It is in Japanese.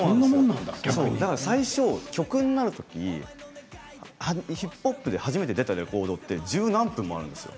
最初曲になる時ヒップホップで初めて出たレコードって十何分もあるんです。